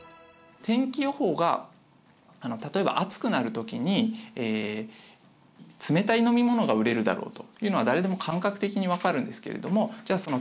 天気予報が例えば暑くなる時に冷たい飲み物が売れるだろうというのは誰でも感覚的に分かるんですけれどもじゃあ